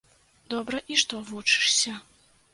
Добра, і што вучышся.